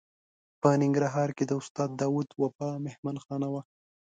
په ننګرهار کې د استاد داود وفا مهمانه خانه وه.